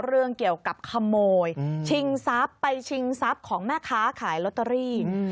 เรื่องเกี่ยวกับขโมยชิงทรัพย์ไปชิงทรัพย์ของแม่ค้าขายลอตเตอรี่